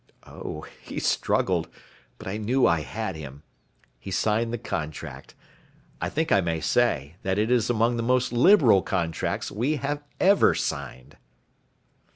Oh he struggled, but I knew I had him. He signed the contract. I think I may say, that it is among the most liberal contracts we have ever signed."